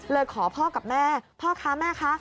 เลยขอพ่อกับแม่พ่อค่ะแม่ค่ะ